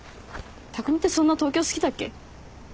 匠ってそんな東京好きだっけ？